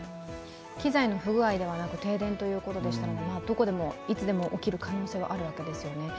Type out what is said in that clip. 機材の不具合ではなく停電ということでしたのでどこでもいつでも起きる可能性はあるわけですよね。